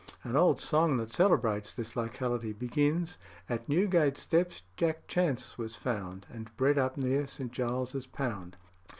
An old song that celebrates this locality begins "At Newgate steps Jack Chance was found, And bred up near St. Giles's Pound."